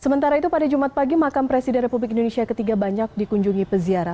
sementara itu pada jumat pagi makam presiden republik indonesia ketiga banyak dikunjungi peziarah